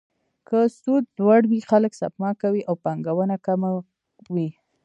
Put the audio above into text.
که سود لوړ وي، خلک سپما کوي او پانګونه کمه وي.